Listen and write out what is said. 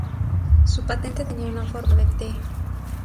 Su patente tenía una forma de "T".